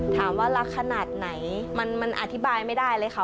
ถามว่ารักขนาดไหนมันอธิบายไม่ได้เลยค่ะ